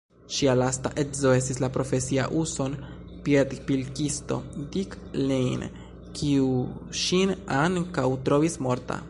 Ŝia lasta edzo estis la profesia uson-piedpilkisto Dick Lane, kiu ŝin ankaŭ trovis morta.